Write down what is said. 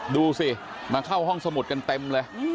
ดูสิมาเข้าห้องสมุดกันเต็มเลย